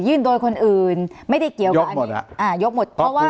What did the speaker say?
ยื่นโดยคนอื่นไม่ได้เกี่ยวกับยกหมดแล้วอ่ายกหมดเพราะว่า